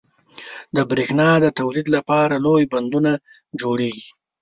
• د برېښنا د تولید لپاره لوی بندونه جوړېږي.